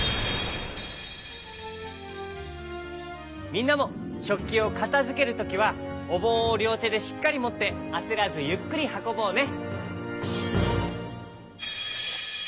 みんなもしょっきをかたづけるときはおぼんをりょうてでしっかりもってあせらずゆっくりはこぼうね！